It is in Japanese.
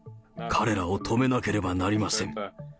彼らを止めなければなりません。